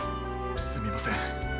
すみません。